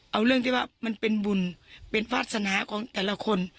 เอาเรื่องที่ว่ามันเป็นบุญเป็นวาสนาของแต่ละคน